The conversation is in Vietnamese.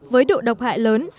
với độ độc hại lớn